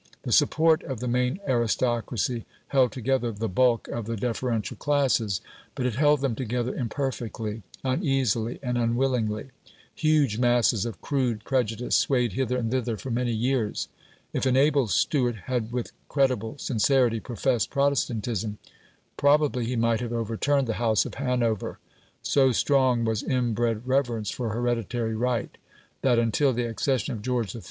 The support of the main aristocracy held together the bulk of the deferential classes, but it held them together imperfectly, uneasily, and unwillingly. Huge masses of crude prejudice swayed hither and thither for many years. If an able Stuart had with credible sincerity professed Protestantism probably he might have overturned the House of Hanover. So strong was inbred reverence for hereditary right, that until the accession of George III.